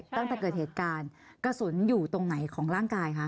ตั้งแต่เกิดเหตุการณ์กระสุนอยู่ตรงไหนของร่างกายคะ